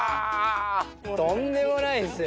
とんでもないですよ。